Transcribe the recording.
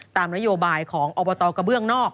ตามนโยบายของอบตกระเบื้องนอก